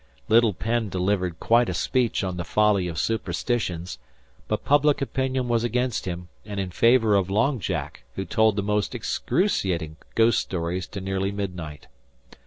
Little Penn delivered quite a speech on the folly of superstitions; but public opinion was against him and in favour of Long Jack, who told the most excruciating ghost stories, till nearly midnight.